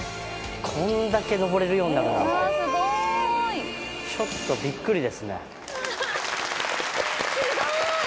こんだけ上れるようになるなんてちょっとビックリですねすごい！